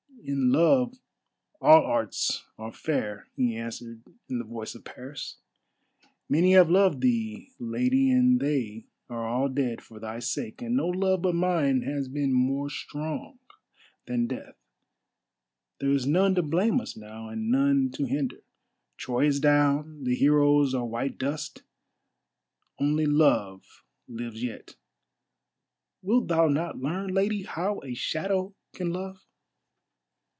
"In love all arts are fair," he answered in the voice of Paris. "Many have loved thee, Lady, and they are all dead for thy sake, and no love but mine has been more strong than death. There is none to blame us now, and none to hinder. Troy is down, the heroes are white dust; only Love lives yet. Wilt thou not learn, Lady, how a shadow can love?"